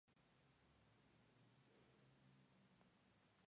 En el Celta de Vigo las primeras temporadas fue un jugador importantísimo.